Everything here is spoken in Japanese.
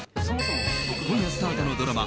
今夜スタートのドラマ